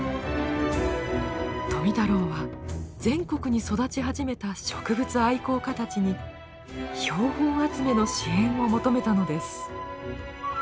富太郎は全国に育ち始めた植物愛好家たちに標本集めの支援を求めたのです。